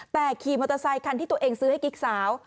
แต่ขี่มอเตอร์ไซคันที่ตัวเองซื้อให้กิ๊กสาว